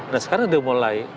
nah sekarang udah mulai